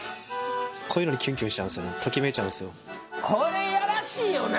こういうのにキュンキュンしちゃうんすよときめいちゃうんすよ。